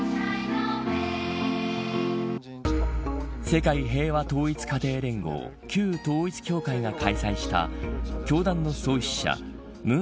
世界平和統一家庭連合旧統一教会が開催した教団の創始者文